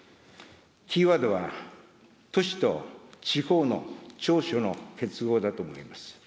キーワードは、都市と地方の長所の結合だと思います。